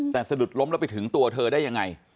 แต่สะดุดล้มแล้วไปถึงตัวเธอได้ยังไง